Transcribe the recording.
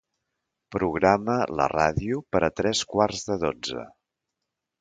Programa la ràdio per a tres quarts de dotze.